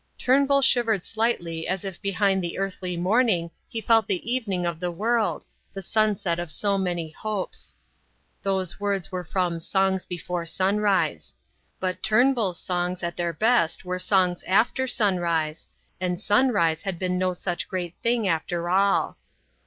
Turnbull shivered slightly as if behind the earthly morning he felt the evening of the world, the sunset of so many hopes. Those words were from "Songs before Sunrise". But Turnbull's songs at their best were songs after sunrise, and sunrise had been no such great thing after all.